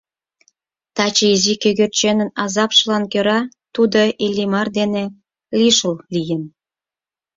Таче изи кӧгӧрченын азапшылан кӧра тудо Иллимар дене лишыл лийын.